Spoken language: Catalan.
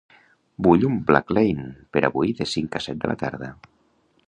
Vull un Blacklane per avui de cinc a set de la tarda.